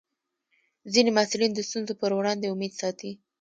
ځینې محصلین د ستونزو پر وړاندې امید ساتي.